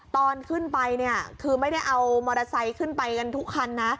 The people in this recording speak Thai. ตอนขึ้นไปคือไม่ได้เอามอเตอร์ไซค์ขึ้นไปทุกคัน